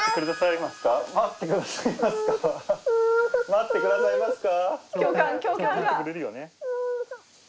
待ってくださいますか？